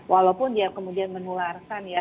walaupun dia kemudian menularkan ya